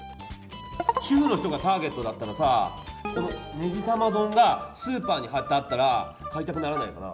主婦の人がターゲットだったらさこのねぎ玉丼がスーパーに貼ってあったら買いたくならないかな？